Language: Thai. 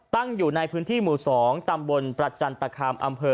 อยู่ในพื้นที่หมู่๒ตำบลประจันตคามอำเภอ